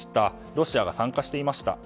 ロシアが参加していました。